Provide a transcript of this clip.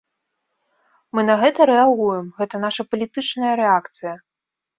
Мы на гэта рэагуем, гэта наша палітычная рэакцыя.